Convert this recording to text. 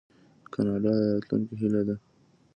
کاناډا د راتلونکي هیله ده.